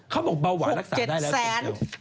เขาบอกเบาหวานรักษาได้แล้ว